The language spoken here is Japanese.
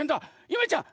ゆめちゃん